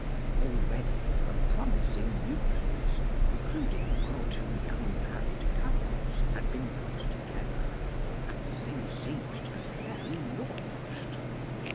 Already a promising nucleus, including one or two young married couples, had been got together, and the thing seemed to be fairly launched.